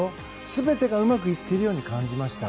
全てがうまくいっているように感じました。